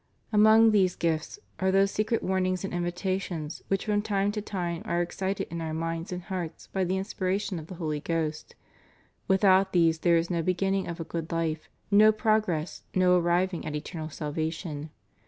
* Among these gifts are those secret warnings and invita tions which from time to time are excited in our minds and hearts by the inspiration of the Holy Ghost. Without these there is no beginning of a good life, no progress, no arriving at eternal salvation.